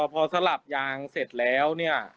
พอสลับยางเสร็จแล้วเนี่ย